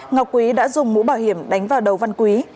ngọc quý đã dùng mũ bảo hiểm đánh vào đầu văn quý